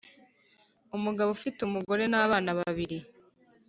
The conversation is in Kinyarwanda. umugabo ufite umugore n’abana babiri